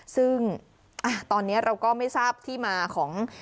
ซึ่งตอนนี้เราก็ไม่ทราบที่มาของ